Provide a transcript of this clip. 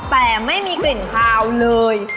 แต่ไม่มีกลิ่นคาวเลย